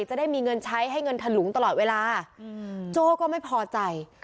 จะได้มีเงินใช้ให้เงินถลุงตลอดเวลาโจ้ก็ไม่พอใจ